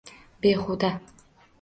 Behuda